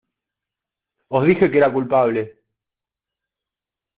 Os dije que era culpable.